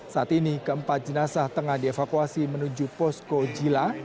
saat ini keempat jenazah tengah dievakuasi menuju posko jila